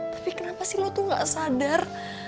tapi kenapa sih lo tuh gak sadar